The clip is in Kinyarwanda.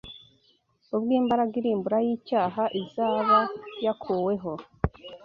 ubwo imbaraga irimbura y’icyaha izaba yakuweho